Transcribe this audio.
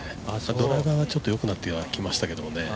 ドライバーは、ちょっと良くなってきましたけどね。